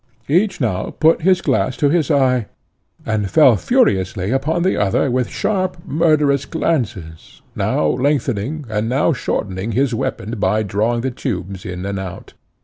Each now put his glass to his eye, and fell furiously upon the other with sharp, murderous glances, now lengthening and now shortening his weapon by drawing the tubes in and out.